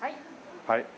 はい。